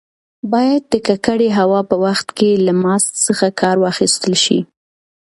باید د ککړې هوا په وخت کې له ماسک څخه کار واخیستل شي.